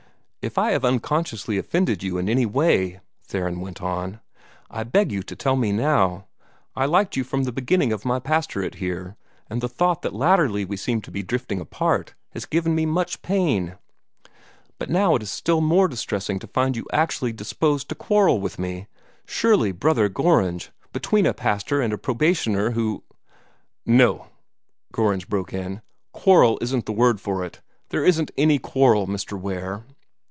"If I have unconsciously offended you in any way," Theron went on, "I beg you to tell me how. I liked you from the beginning of my pastorate here, and the thought that latterly we seemed to be drifting apart has given me much pain. But now it is still more distressing to find you actually disposed to quarrel with me. Surely, Brother Gorringe, between a pastor and a probationer who " "No," Gorringe broke in; "quarrel isn't the word for it. There isn't any quarrel, Mr. Ware."